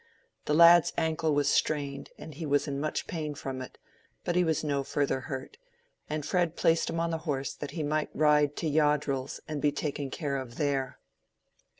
The lad's ankle was strained, and he was in much pain from it, but he was no further hurt, and Fred placed him on the horse that he might ride to Yoddrell's and be taken care of there.